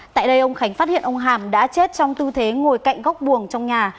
tại đây ông khánh phát hiện ông hàm đã chết trong tư thế ngồi cạnh góc buồng trong nhà